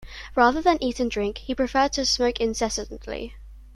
Rather than eat and drink, he preferred to smoke incessantly